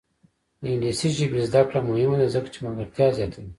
د انګلیسي ژبې زده کړه مهمه ده ځکه چې ملګرتیا زیاتوي.